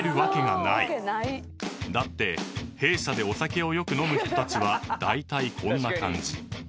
［だって弊社でお酒をよく飲む人たちはだいたいこんな感じ］